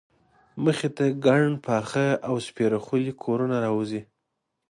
مخې ته ګڼ پاخه او سپېره خولي کورونه راوځي.